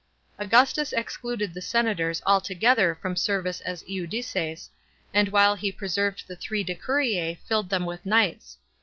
Augustus excluded the senators altogether from service as iudices, and while he preserved the three decurix filled them with knights.